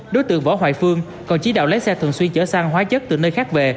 đối tượng võ hoài phương còn chỉ đạo lái xe thường xuyên chở xăng hóa chất từ nơi khác về